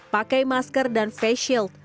pakai masker dan face shield